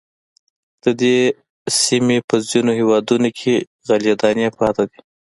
د دې سیمې په ځینو هېوادونو کې غلې دانې پاتې دي.